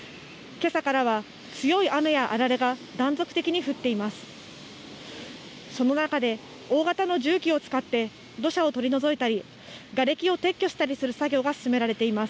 けさからは強い雨やあられが断続的に降っています。